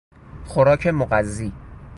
خوراک مغذی